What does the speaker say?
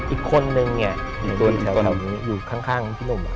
อีกคนหนึ่งเนี่ยอยู่ข้างพี่นุ่ม